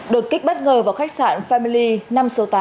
đột kích bất ngờ vào khách sạn family năm số tám